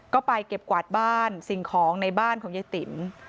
ก็ไปเก็บกวาดบ้านสิ่งของในบ้านของยายติ๋ม